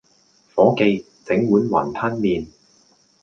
伙記，整碗雲吞麵